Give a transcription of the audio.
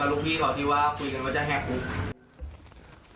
แล้วลูกพี่เขาที่ว่าคุยกันก็จะแห่งคุก